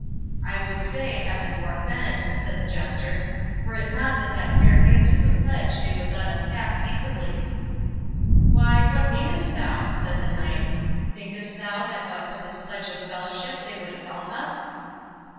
"I would say, Heaven forefend," said the Jester, "were it not that that fair gift is a pledge they would let us pass peaceably." "Why, what meanest thou?" said the Knight; "thinkest thou that but for this pledge of fellowship they would assault us?"